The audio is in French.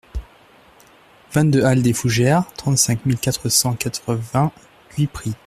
vingt-deux aLL DES FOUGERES, trente-cinq mille quatre cent quatre-vingts Guipry